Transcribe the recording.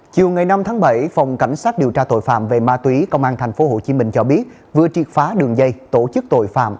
chiều ngày năm tháng bảy phòng cảnh sát điều tra tội phạm về ma túy công an tp hcm cho biết vừa triệt phá đường dây tổ chức tội phạm